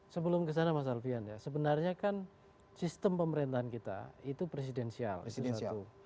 sebelum ke sana mas arfian ya sebenarnya kan sistem pemerintahan kita itu presidensial